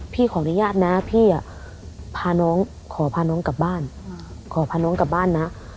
พี่ขออนุญาตนะพี่อะพาน้องขอพาน้องกลับบ้าน